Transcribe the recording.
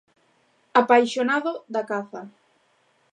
Apaixonado da caza...